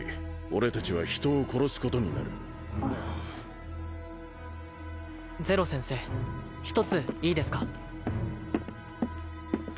俺達は人を殺すことになるゼロ先生一ついいですか？